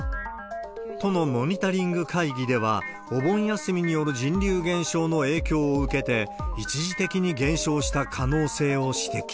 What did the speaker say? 都のモニタリング会議では、お盆休みによる人流減少の影響を受けて、一時的に減少した可能性を指摘。